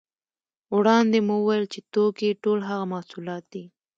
وړاندې مو وویل چې توکي ټول هغه محصولات دي